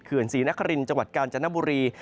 เขื่อนศรีนครินจังหวัดกาญจนบุรี